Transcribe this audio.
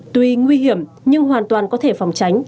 tuy nguy hiểm nhưng hoàn toàn có thể phòng tránh